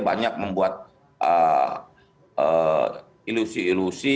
banyak membuat ilusi ilusi